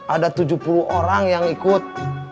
ada tujuh puluh orang yang ikut